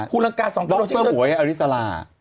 ภูลังกาสองล็อตเตอร์หวยอาริสรา